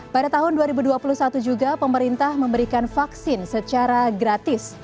pada tahun dua ribu dua puluh satu juga pemerintah memberikan vaksin secara gratis